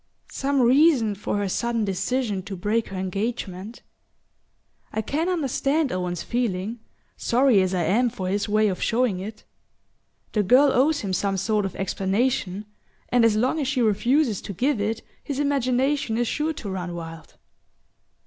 "Some reason for her sudden decision to break her engagement. I can understand Owen's feeling, sorry as I am for his way of showing it. The girl owes him some sort of explanation, and as long as she refuses to give it his imagination is sure to run wild."